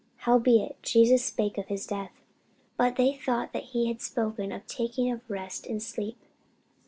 Howbeit Jesus spake of his death: but they thought that he had spoken of taking of rest in sleep.